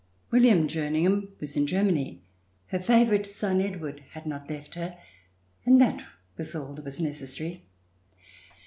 William Jerningham was in Germany. Her favorite son, Edward, had not left her, and that was all that was necessary.